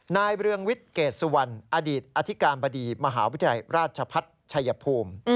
เรืองวิทย์เกรดสุวรรณอดีตอธิการบดีมหาวิทยาลัยราชพัฒน์ชัยภูมิ